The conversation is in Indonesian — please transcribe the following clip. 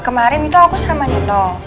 kemarin itu aku sama nino